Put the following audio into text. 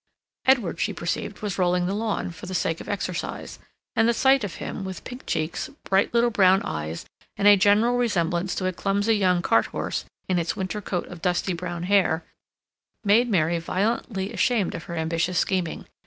Edward, she perceived, was rolling the lawn, for the sake of exercise; and the sight of him, with pink cheeks, bright little brown eyes, and a general resemblance to a clumsy young cart horse in its winter coat of dusty brown hair, made Mary violently ashamed of her ambitious scheming.